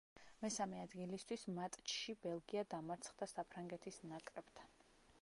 მესამე ადგილისთვის მატჩში ბელგია დამარცხდა საფრანგეთის ნაკრებთან.